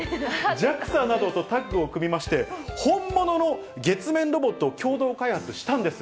ＪＡＸＡなどとタッグを組みまして、本物の月面ロボットを共同開発したんです。